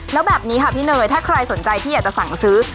แล้วแบบนี้ค่ะพี่เนยถ้าใครสนใจที่อยากจะสั่งซื้อ